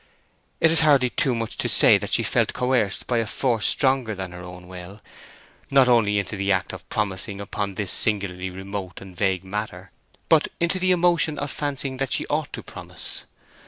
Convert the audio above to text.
It is hardly too much to say that she felt coerced by a force stronger than her own will, not only into the act of promising upon this singularly remote and vague matter, but into the emotion of fancying that she ought to promise.